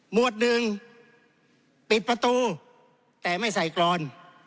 วดหนึ่งปิดประตูแต่ไม่ใส่กรอน